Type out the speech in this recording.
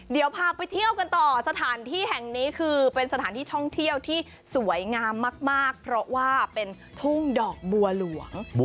เดี๋ยวพาไปเที่ยวกันต่อสถานที่แห่งนี้คือเป็นสถานที่ท่องเที่ยวที่สวยงามมากเพราะว่าเป็นทุ่งดอกบัวหลวง